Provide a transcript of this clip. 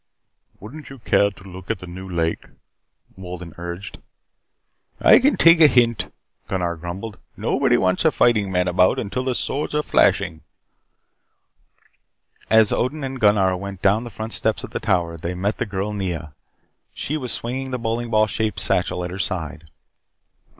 "Wouldn't you care to look at the new lake?" Wolden urged. "I can take a hint," Gunnar grumbled. "Nobody wants a fighting man about until the swords are flashing " As Odin and Gunnar went down the front steps of the tower, they met the girl Nea. She was swinging the bowling ball shaped satchel at her side.